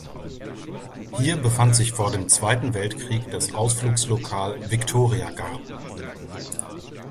Hier befand sich vor dem Zweiten Weltkrieg das Ausflugslokal "Victoria-Garten".